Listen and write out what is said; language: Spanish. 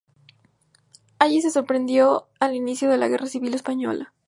Allí le sorprendió el inicio de la Guerra Civil Española.